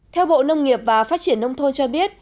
theo bộ nông nghiệp và phát triển nông thôn cho biết